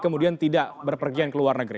kemudian tidak berpergian ke luar negeri